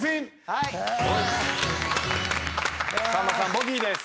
ボギーです。